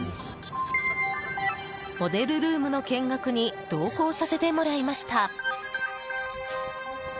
モデルルームの見学に同行させてもらいました。